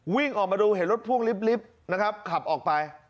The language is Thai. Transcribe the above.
วิ่งออกมาดูเห็นรถพ่วงลิฟต์นะครับขับออกไป